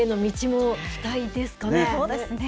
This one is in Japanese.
そうですね。